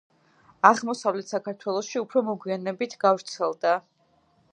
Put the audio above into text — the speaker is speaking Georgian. აღმოსავლეთ საქართველოში უფრო მოგვიანებით გავრცელდა.